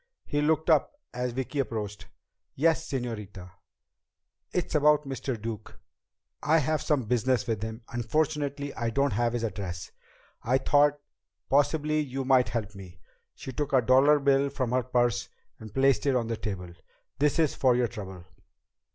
He looked up as Vicki approached. "Yes, señorita?" "It's about Mr. Duke. I have some business with him. Unfortunately I don't have his address. I thought possibly you might help me." She took a dollar bill from her purse and placed it on the table. "This is for your trouble."